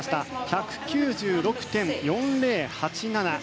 １９６．４０８７。